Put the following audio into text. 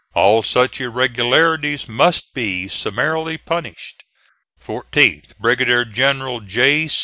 All such irregularities must be summarily punished. Fourteenth. Brigadier General J.